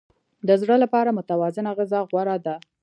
د زړه لپاره متوازنه غذا غوره ده.